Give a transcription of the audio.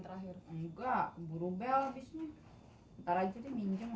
iya kalau kita posisinya